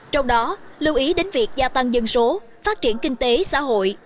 trong đó lưu ý đến việc gia tăng dân số phát triển kinh tế xã hội